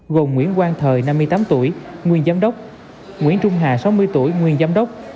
gồm nguyễn quang thời năm mươi tám tuổi nguyên giám đốc nguyễn trung hà sáu mươi tuổi nguyên giám đốc